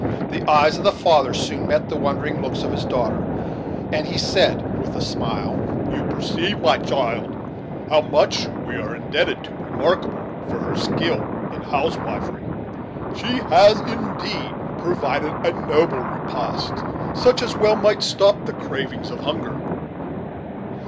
The eyes of the father soon met the wondering looks of his daughter, and he said, with a smile: "You perceive, my child, how much we are indebted to Remarkable for her skill in housewifery. She has indeed provided a noble repast such as well might stop the cravings of hunger."